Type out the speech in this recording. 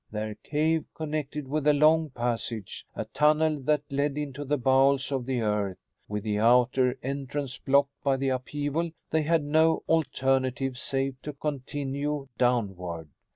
Their cave connected with a long passage, a tunnel that led into the bowels of the earth. With the outer entrance blocked by the upheaval they had no alternative save to continue downward."